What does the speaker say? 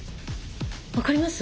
分かります？